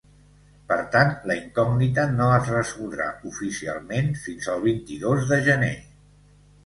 Per tant, la incògnita no es resoldrà oficialment fins el vint-i-dos de gener.